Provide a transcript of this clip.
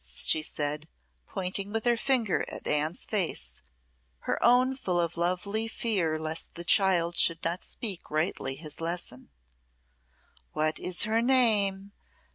she said, pointing with her finger at Anne's face, her own full of lovely fear lest the child should not speak rightly his lesson. "What is her name?